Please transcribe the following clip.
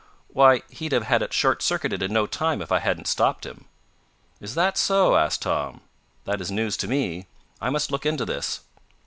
Why, he'd have had it short circuited in no time if I hadn't stopped him." "Is that so?" asked Tom. "That is news to me. I must look into this."